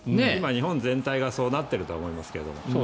日本全体がそうなっているとは思いますけど。